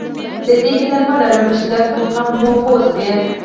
د دې هیله مه لره مشکلات مو کم وي پوه شوې!.